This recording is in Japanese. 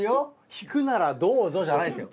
引くならどうぞじゃないですよ。